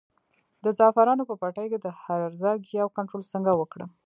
د زعفرانو په پټي کې د هرزه ګیاوو کنټرول څنګه وکړم؟